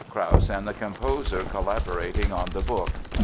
Krauss and the composer collaborating on the book.